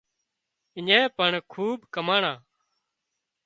اڃين پڻ کوٻ ڪماڻا